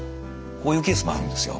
こういうケースもあるんですよ。